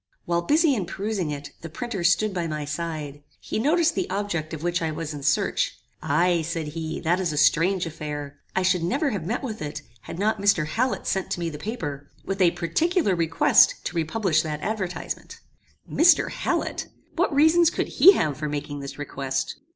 While busy in perusing it, the printer stood by my side. He noticed the object of which I was in search. "Aye," said he, "that is a strange affair. I should never have met with it, had not Mr. Hallet sent to me the paper, with a particular request to republish that advertisement." "Mr. Hallet! What reasons could he have for making this request?